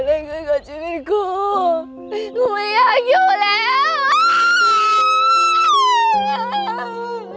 นี่มันเกิดอะไรกับชีวิตกูมันยากอยู่แล้ว